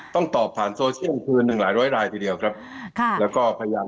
ต้องตอบผ่านโซเชียลคือหนึ่งหลายร้อยรายทีเดียวครับค่ะแล้วก็พยายาม